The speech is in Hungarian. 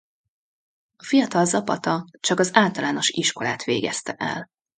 A fiatal Zapata csak az általános iskolát végezte el.